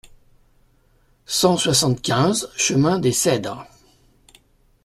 cent soixante-quinze chemin des Cedres